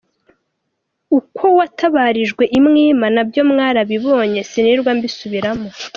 Ukwo watabarijwe i Mwima nabyo mwarabibonye sinirirwa mbisubiramo.